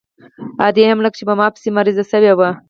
ادې هم لکه چې په ما پسې مريضه سوې وه.